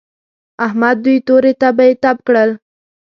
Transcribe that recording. احمد دوی تورې تبې تپ کړل.